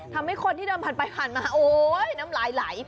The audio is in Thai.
ทำให้คนที่เดินผ่านมาโอ๊ยน้ำไหล